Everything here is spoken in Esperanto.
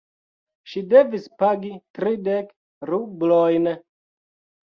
Ŝi devis pagi tridek rublojn.